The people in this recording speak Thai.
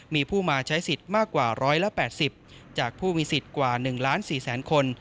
มีผู้มาใช้สิทธิ์มากกว่า๑๘๐จากผู้มีสิทธิ์กว่า๑ล้าน๔แสนคน